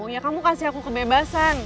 ya kamu kasih aku kebebasan